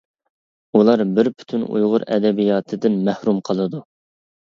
ئۇلار بىر پۈتۈن ئۇيغۇر ئەدەبىياتىدىن مەھرۇم قالىدۇ.